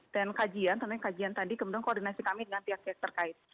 dan kajian tentunya kajian tadi kemudian koordinasi kami dengan pihak pihak terkait